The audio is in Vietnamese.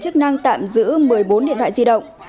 chức năng tạm giữ một mươi bốn điện thoại di động